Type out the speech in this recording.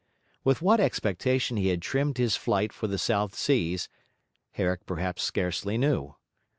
With what expectation he had trimmed his flight for the South Seas, Herrick perhaps scarcely knew.